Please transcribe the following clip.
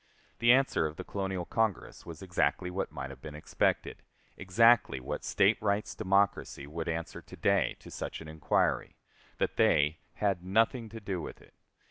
The answer of the Colonial Congress was exactly what might have been expected exactly what State rights Democracy would answer to day to such an inquiry that they "had nothing to do with it."